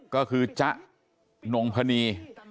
ก็คือจ๊ะนงพนี